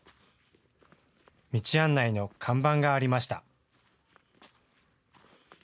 道案内の看板がありました。